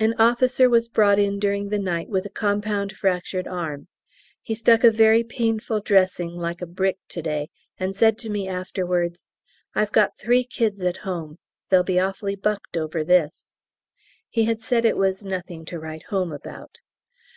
An officer was brought in during the night with a compound fractured arm. He stuck a very painful dressing like a brick to day, and said to me afterwards, "I've got three kids at home; they'll be awfully bucked over this!" He had said it was "nothing to write home about."